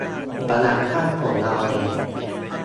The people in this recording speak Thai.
- ประหยัดค่าส่งเราเอง